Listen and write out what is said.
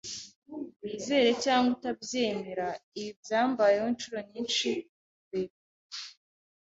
Wizere cyangwa utabyemera, ibi byambayeho inshuro nyinshi mbere.